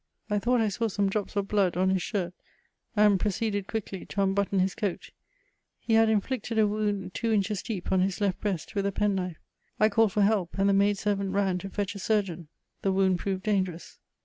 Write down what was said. I thought I saw some drops of hlood on his shirt, and proceeded quickly to unhutton his coat; he had inflicted a wound two inches deep on his lef% hreast, with a penknife. I called for help, and the maid servant ran to fetch a surgeon; the wound proved dangerous.